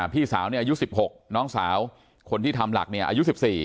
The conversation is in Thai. พี่สาวอายุ๑๖น้องสาวคนที่ทำหลักเนี่ยอายุ๑๔